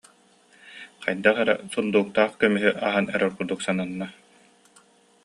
Хайдах эрэ сундууктаах көмүһү аһан эрэр курдук сананна